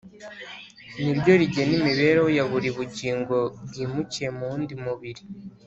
ni ryo rigena imibereho ya buri bugingo bwimukiye mu wundi mubiri